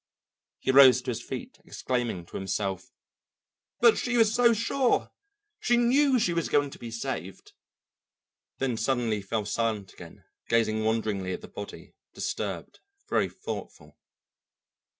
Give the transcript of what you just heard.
He rose to his feet exclaiming to himself, "But she was so sure she knew she was going to be saved," then suddenly fell silent again, gazing wonderingly at the body, disturbed, very thoughtful.